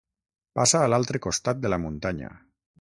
Passa a l'altre costat de la muntanya.